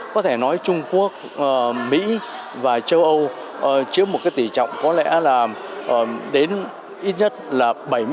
có thể nói trung quốc mỹ và châu âu chiếm một tỷ trọng có lẽ là đến ít nhất là bảy mươi